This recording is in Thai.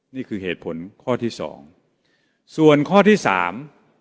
นี่คือเหตุผลข้อที่สองส่วนข้อที่สาม